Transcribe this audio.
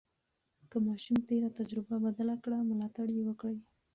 که ماشوم تېره تجربه بدله کړه، ملاتړ یې وکړئ.